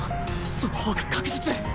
そのほうが確実